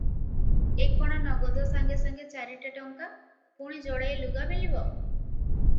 ଏ କ’ଣ ନଗଦ ସାଙ୍ଗେ ସାଙ୍ଗେ ଚାରିଟା ଟଙ୍କା, ପୁଣି ଯୋଡ଼ାଏ ଲୁଗା ମିଳିବ ।